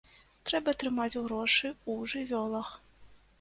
Трэба трымаць грошы ў жывёлах.